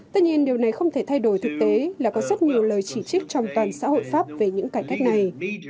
tất nhiên điều này không thể thay đổi thực tế là có rất nhiều lời chỉ trích trong toàn xã hội pháp về những cải cách này